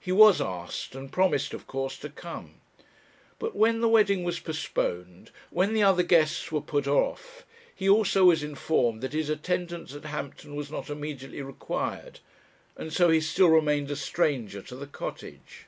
He was asked, and promised, of course, to come. But when the wedding was postponed, when the other guests were put off, he also was informed that his attendance at Hampton was not immediately required; and so he still remained a stranger to the Cottage.